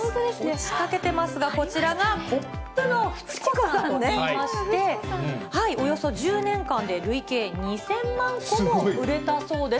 落ちかけてますが、こちらがコップのフチ子さんといいまして、およそ１０年間で累計２０００万個も売れたそうです。